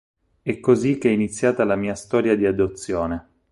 È così che è iniziata la mia storia di adozione.